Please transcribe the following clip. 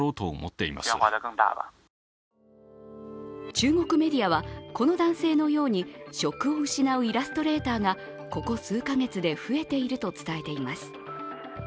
中国メディアは、この男性のように職を失うイラストレーターがここ数か月で増えていると伝えています。